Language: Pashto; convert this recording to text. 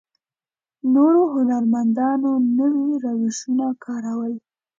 نورو هنرمندانو نوي روشونه کارول.